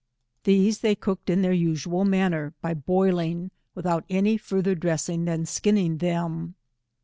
These they cooked in their usual manner, by boiling, without any farther dressing than skinning them.